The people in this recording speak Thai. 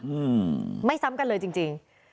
อืมไม่ซ้ำกันเลยจริงจริง